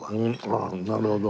ああなるほど。